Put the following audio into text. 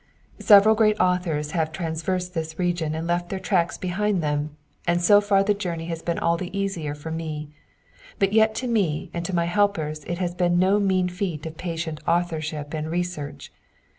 Several great authors have traversed this region and left their tracks behind them, and so far the journey has been all the easier for me ; but yet to me and to my helpers it has been no mean feat of patient authorship and research.